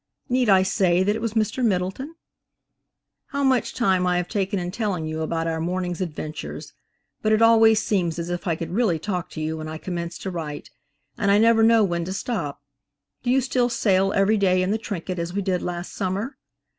Need I say that it was Mr. Middleton? How much time I have taken in telling you about our morning's adventures! But it always seems as if I could really talk to you when I commence to write, and I never know when to stop. Do you still sail every day in the "Trinket," as we did last summer?